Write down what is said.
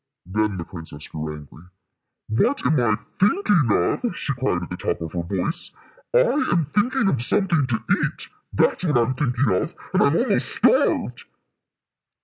Then the princess grew angry. "What am I thinking of?" she cried, at the top of her voice. "I am thinking of something to eat that's what I'm thinking of, and I'm almost starved."